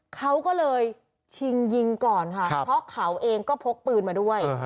เขาก็เลยชิงยิงก่อนค่ะเพราะเขาเองก็พกปืนมาด้วย